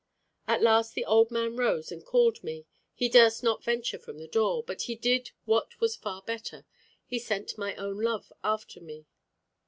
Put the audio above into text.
At last the old man rose and called me, he durst not venture from the door; but he did what was far better, he sent my own love after me.